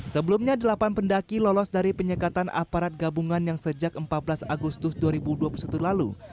sebelumnya delapan pendaki lolos dari penyekatan aparat gabungan yang sejak empat belas agustus dua ribu dua puluh satu lalu